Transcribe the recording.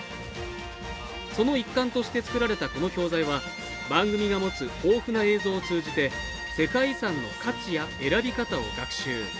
その一環として作られたこの教材は番組が持つ豊富な映像を通じて世界遺産の価値や選び方を学習。